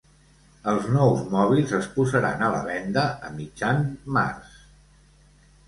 Els nous mòbils es posaran a la venda a mitjan març.